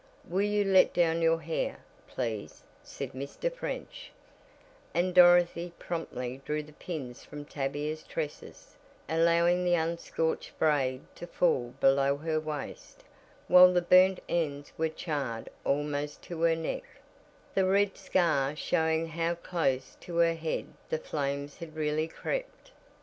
"Will you let down your hair, please," said Mr. French, and Dorothy promptly drew the pins from Tavia's tresses, allowing the unscorched braid to fall below her waist, while the burnt ends were charred almost to her neck, the red scar showing how close to her head the flames had really crept.